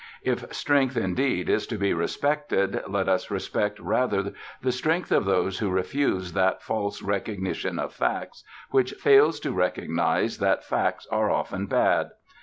If strength indeed is to be respected, let us respect rather the strength of those who refuse that false "recognition of facts" which fails to recognize that facts are often bad.